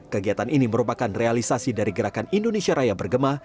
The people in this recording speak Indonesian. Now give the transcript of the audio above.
kegiatan ini merupakan realisasi dari gerakan indonesia raya bergema